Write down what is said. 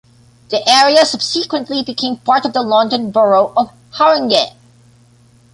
The area subsequently became part of the London Borough of Haringey.